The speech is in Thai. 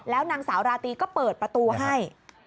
แล้วนางสาวราตรีก็เปิดประตูให้